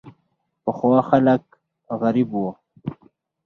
پخوا خلک غریب وو.